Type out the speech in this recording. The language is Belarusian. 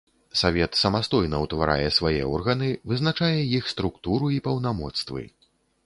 Савет самастойна ўтварае свае органы, вызначае іх структуру і паўнамоцтвы.